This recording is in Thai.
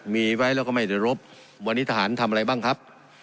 มีไว้แล้วก็ไม่ได้รบวันนี้ทหารทำอะไรบ้างครับ